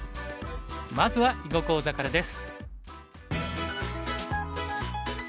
まずは囲碁講座からです。